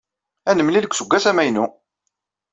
Ad nemlil deg useggas amaynu.